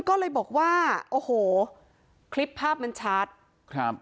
ก็เลยบอกว่าโอ้โหคลิปภาพมันชัดครับ